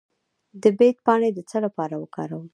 د بید پاڼې د څه لپاره وکاروم؟